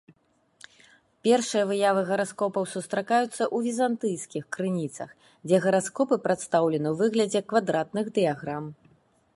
Першыя выявы гараскопаў сустракаюцца ў візантыйскіх крыніцах, дзе гараскопы прадстаўлены ў выглядзе квадратных дыяграм.